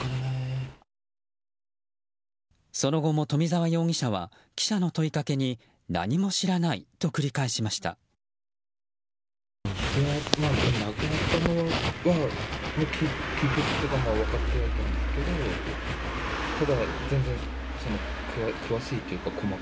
その後も冨澤容疑者は記者の問いかけに何も知らないと繰り返しました。